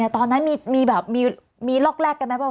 ตอนนั้นมีลอกแรกกันไหมว่า